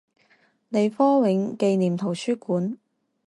李科永紀念圖書館